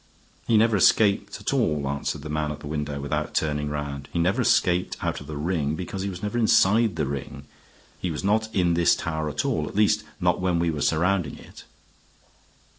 "He never escaped at all," answered the man at the window, without turning round. "He never escaped out of the ring because he was never inside the ring. He was not in this tower at all, at least not when we were surrounding it."